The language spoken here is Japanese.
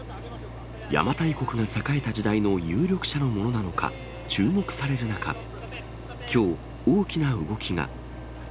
邪馬台国が栄えた時代の有力者のものなのか、注目される中、きょう、大きな動きが。